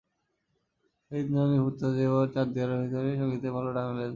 সেই ইন্দ্রাণী ভট্টাচার্য এবার চার দেয়ালের ভেতর সংগীতের ডালা মেলে ধরলেন।